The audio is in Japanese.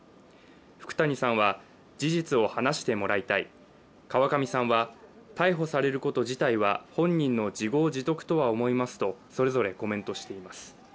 福谷さんは、事実を話してもらいたい川上さんは逮捕されること自体は本人の自業自得とは思いますとそれぞれコメントしています。